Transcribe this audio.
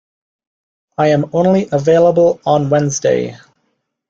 I am only available on Wednesday.